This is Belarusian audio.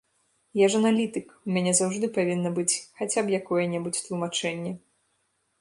Я ж аналітык, у мяне заўжды павінна быць хаця б якое-небудзь тлумачэнне.